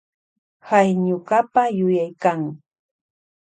Hay ñukapa yuyaykan.